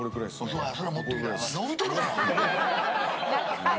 そうや、それ持ってきて。